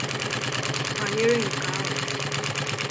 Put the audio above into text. banyere nke ahụ